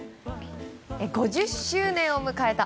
５０周年を迎えた